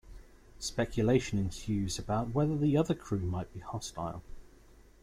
Speculation ensues about whether the other crew might be hostile.